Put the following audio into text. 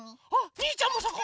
にーちゃんもそこ。